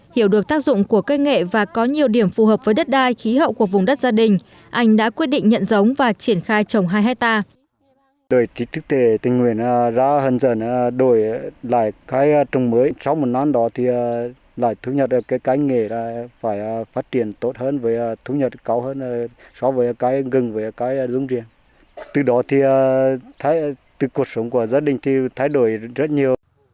hiểu được tác dụng của cây nghệ và có nhiều điểm phù hợp với đất đai khí hậu của vùng đất gia đình anh đã quyết định nhận giống và triển khai trồng hai hectare